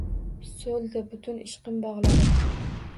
So’ldi butun ishqim bog’lari